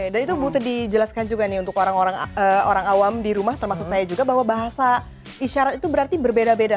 dan itu butuh dijelaskan juga nih untuk orang orang awam di rumah termasuk saya juga bahwa bahasa isyarat itu berarti berbeda beda